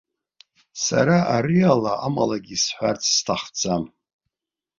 Сара ариала амалагьыы исҳәарц сҭахӡам.